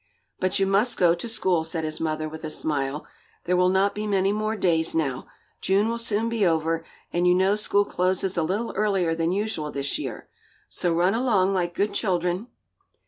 "But you must go to school," said his mother with a smile. "There will not be many more days now. June will soon be over, and you know school closes a little earlier than usual this year. So run along, like good children."